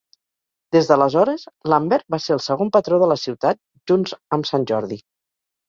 Des d'aleshores, Lambert va ser el segon patró de la ciutat, junts amb Sant Jordi.